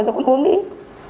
rồi con uống hết